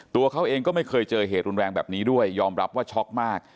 ตัวเขาเองก็ไม่เคยเจอเหตุรุนแรงแบบนี้ด้วยยอมรับว่าช็อกมาก